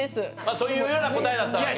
そういうような答えだったわけね。